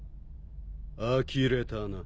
あきれたな。